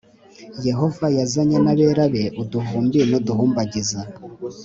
Yehova yazanye n abera be uduhumbi n uduhumbagiza